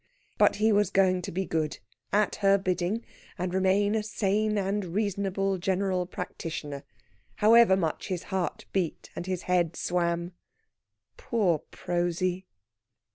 But he was going to be good, at her bidding, and remain a sane and reasonable general practitioner, however much his heart beat and his head swam. Poor Prosy!